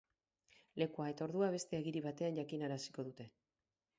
Lekua eta ordua beste agiri batean jakinaraziko dute.